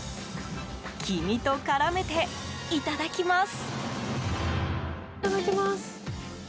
黄身と絡めて、いただきます。